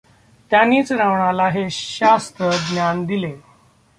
त्यानीच रावणाला हे शास्त्र ज्ञान दिले.